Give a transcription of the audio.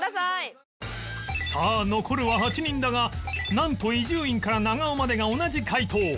さあ残るは８人だがなんと伊集院から長尾までが同じ解答